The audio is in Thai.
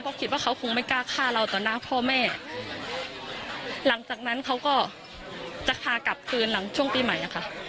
เพราะคิดว่าเขาคงไม่กล้าฆ่าเราต่อหน้าพ่อแม่หลังจากนั้นเขาก็จะพากลับคืนหลังช่วงปีใหม่อะค่ะ